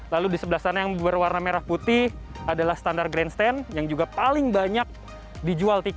lalu di sebelah sana yang berwarna merah putih adalah standar grandstand yang juga paling banyak dijual tiket